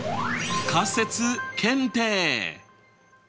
仮説検定？